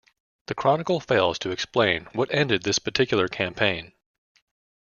The chronicle fails to explain what ended this particular campaign.